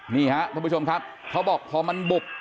นี่ฮะทุกผู้ชมครับเขาบอกพอมันบุก